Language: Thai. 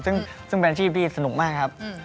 ซึ่งเป็นอาชีพที่สนุกมากครับ